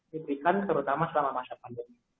diberikan terutama selama masa pandemi